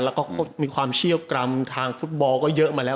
แล้วก็มีความเชี่ยวกรรมทางฟุตบอลก็เยอะมาแล้ว